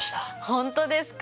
本当ですか！？